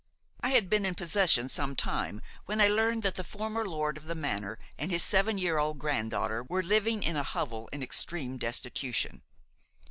I had been in possession some time when I learned that the former lord of the manor and his seven year old granddaughter were living in a hovel, in extreme destitution.